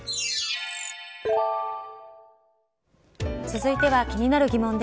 続いては気になるギモン。